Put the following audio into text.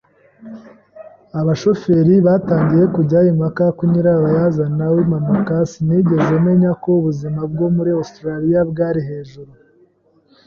Abashoferi batangiye kujya impaka ku nyirabayazana w'impanuka. Sinigeze menya ko ubuzima bwo muri Australiya bwari hejuru.